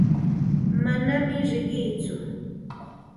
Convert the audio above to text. Manam riqiitsu.